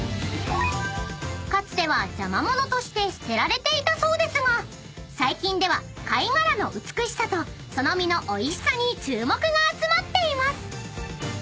［かつては邪魔者として捨てられていたそうですが最近では貝殻の美しさとその身のおいしさに注目が集まっています］